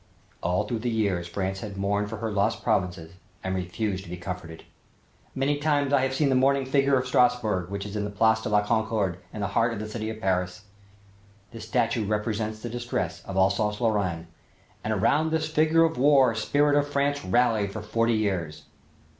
All through the years France had mourned for her lost provinces and refused to be comforted. Many times I have seen the mourning figure of Strassburg, which is in the Place de la Concorde, in the heart of the city of Paris. This statue represents the distress of Alsace Lorraine and "around this figure the war spirit of France rallied for forty years."